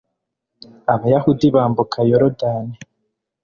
abayahudi bambuka yorudani